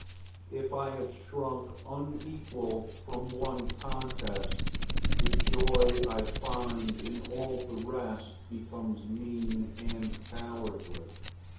If I have shrunk unequal from one contest, the joy I find in all the rest becomes mean and cowardly.